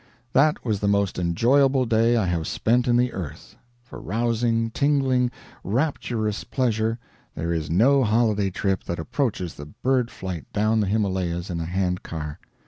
That was the most enjoyable day I have spent in the earth. For rousing, tingling, rapturous pleasure there is no holiday trip that approaches the bird flight down the Himalayas in a hand car.